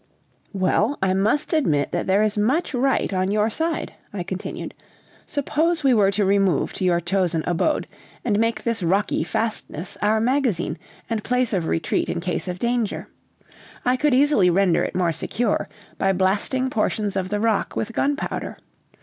"Well, I must admit that there is much right on your side," I continued; "suppose we were to remove to your chosen abode, and make this rocky fastness our magazine and place of retreat in case of danger. I could easily render it more secure, by blasting portions of the rock with gunpowder.